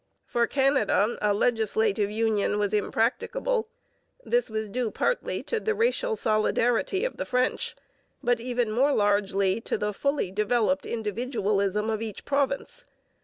For Canada, a legislative union was impracticable. This was due partly to the racial solidarity of the French, but even more largely to the fully developed individualism of each province.